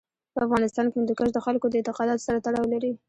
په افغانستان کې هندوکش د خلکو د اعتقاداتو سره تړاو لري.